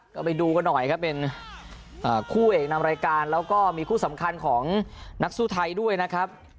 ก็ไปดูกันหน่อยครับเป็นคู่เอกนำรายการแล้วก็มีคู่สำคัญของนักสู้ไทยด้วยนะครับ